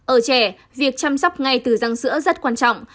ở trẻ việc chăm sóc ngay từ răng sữa rất quan trọng